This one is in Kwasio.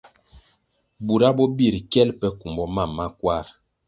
Bura bo birʼ kyel pe kumbo mam ma kwarʼ.